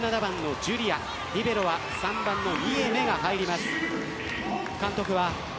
対角には１７番のジュリアリベロは３番のニエメが入ります。